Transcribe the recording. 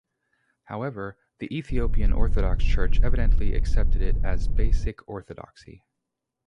However, the Ethiopian Orthodox Church evidently accepted it as basic orthodoxy.